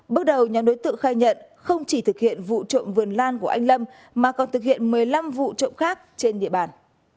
bước đầu nhóm đối tượng khai nhận không chỉ thực hiện vụ trộm vườn lan của anh lâm mà còn thực hiện một mươi năm vụ trộm khác trên địa bàn